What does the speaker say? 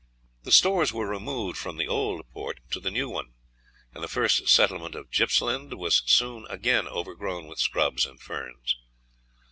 The stores were removed from the Old Port to the new one, and the first settlement in Gippsland was soon again overgrown with scrub and ferns.